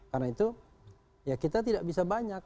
karena itu ya kita tidak bisa banyak